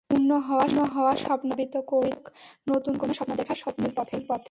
পূর্ণ হওয়া স্বপ্নগুলো ধাবিত করুক নতুন কোনো স্বপ্ন দেখার স্বপ্নিল পথে।